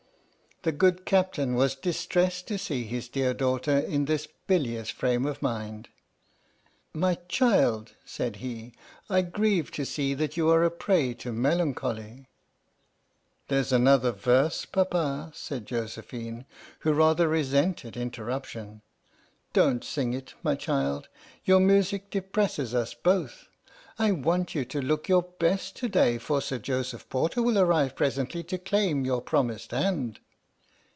The good Captain was distressed to see his dear daughter in this bilious frame of mind. " My child," said he, " I grieve to see that you are a prey to melancholy." "There's another verse, Papa," said Josephine, who rather resented interruption. 33 f H.M.S. "PINAFORE" "Don't sing it, my child; your music depresses us both. I want you to look your best to day, for Sir Joseph Porter will arrive presently to claim your promised hand."